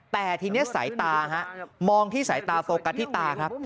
แต่ทีนี้สายตาฮะมองที่สายตาโฟกัสที่ตาครับ